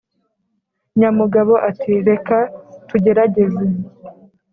nyamugabo ati. « reka tugerageze.»